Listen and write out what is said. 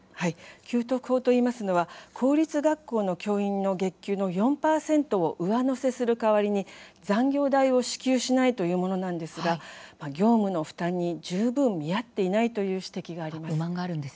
公立学校の教員に月給の４％を上乗せする代わりに残業代を支給しないというものなんですが業務の負担に十分見合っていないという指摘もあります。